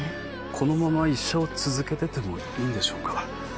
このまま医者を続けててもいいんでしょうか。